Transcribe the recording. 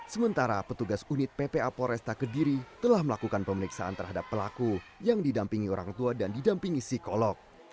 sementara petugas unit ppa poresta kediri telah melakukan pemeriksaan terhadap pelaku yang didampingi orang tua dan didampingi psikolog